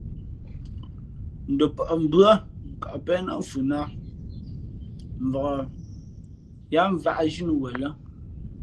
Ndopαʼmbʉα̂ kαʼ péʼ nά mfhʉʼnāt nά mvak yáá mvāʼ zhínǔ wen lά.